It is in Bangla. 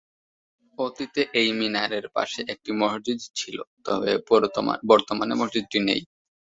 অতীতে এই মিনারের পাশে একটি মসজিদ ছিল তবে বর্তমানে মসজিদটি নেই।